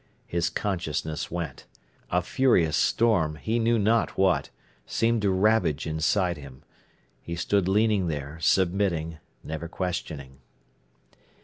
His consciousness went. A furious storm, he knew not what, seemed to ravage inside him. He stood leaning there, submitting, never questioning.